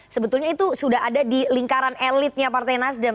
sebetulnya itu sudah ada di lingkaran elitnya partai nasdem